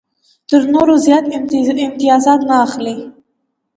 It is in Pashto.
تر نورو زیات امتیازات نه اخلي.